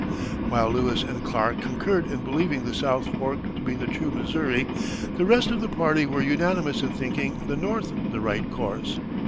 While Lewis and Clark concurred in believing the south fork to be the true Missouri, the rest of the party were unanimous in thinking the north the right course.